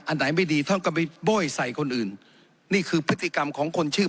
อันไหนไม่ดีท่านก็ไปโบ้ยใส่คนอื่นนี่คือพฤติกรรมของคนชื่อ